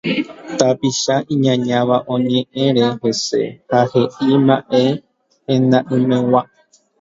Tapicha iñañáva oñe'ẽre hese ha he'i mba'e henda'ỹmegua.